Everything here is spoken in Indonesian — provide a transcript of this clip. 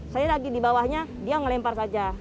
saya lagi di bawahnya dia ngelempar saja